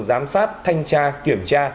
giám sát thanh tra kiểm tra